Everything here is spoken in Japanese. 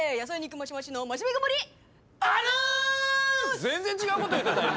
全然違うこと言うてた今。